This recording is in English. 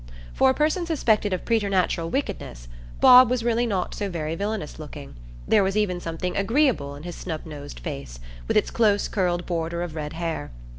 For a person suspected of preternatural wickedness, Bob was really not so very villanous looking; there was even something agreeable in his snub nosed face, with its close curled border of red hair.